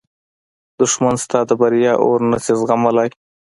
دښمن ستا د بریا اور نه شي زغملی